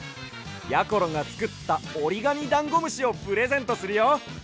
やころがつくったおりがみダンゴムシをプレゼントするよ！